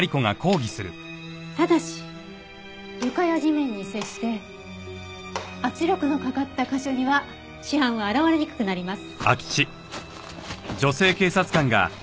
ただし床や地面に接して圧力のかかった箇所には死斑は現れにくくなります。